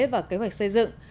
và kế hoạch xây dựng